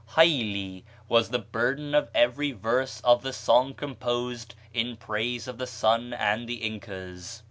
Haylli was the burden of every verse of the song composed in praise of the sun and the Incas.